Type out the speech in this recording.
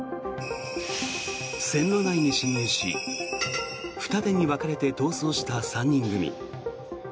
線路内に侵入し二手に分かれて逃走した３人組。